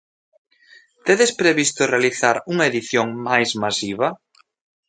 Tedes previsto realizar unha edición máis masiva?